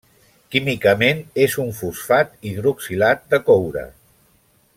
Químicament és un fosfat hidroxilat de coure.